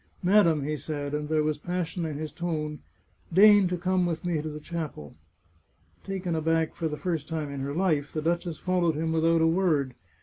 Madam," he said, and there was passion in his tone, " deign to come with me to the chapel." Taken aback for the first time in her life, the duchess followed him without a word.